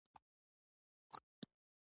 د غزني ښار هره تیږه د تمدن بوی لري.